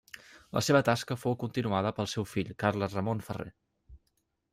La seva tasca fou continuada pel seu fill Carles Roman Ferrer.